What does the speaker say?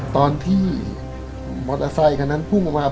ตอนที่มอเตอร์ไซคันนั้นพุ่งออกมา